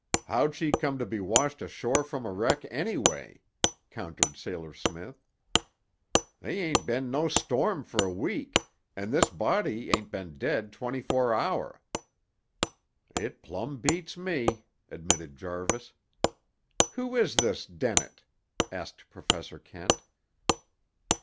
"How'd she come to be washed ashore from a wreck, anyway?" countered Sailor Smith. "The' ain't been no storm for a week, an' this body ain't been dead twenty four hour." "It plumb beats me," admitted Jarvis. "Who is this Dennett?" asked Professor Kent.